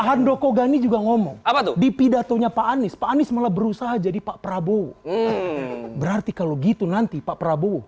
handoko gani juga ngomong apa tuh di pidatonya pak anies pak anies malah berusaha jadi pak prabowo